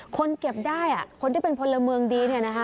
เก็บได้คนที่เป็นพลเมืองดีเนี่ยนะคะ